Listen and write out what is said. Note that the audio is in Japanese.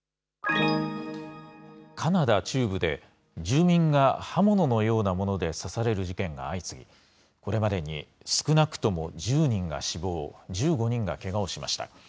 カナダ中部で、住民が刃物のようなもので刺される事件が相次ぎ、これまでに少なくとも１０人が死亡、１５人がけがをしました。